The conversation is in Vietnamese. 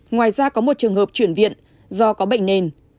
ngoài ra có một trường hợp chuyển viện do có bệnh nền